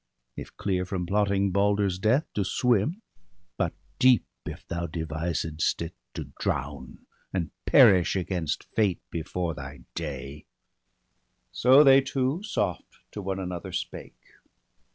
If clear from plotting Balder's death, to swim; But deep, if thou d^visedst it, to drown. And perish, against fate, before thy day/ So they two soft to one another spake.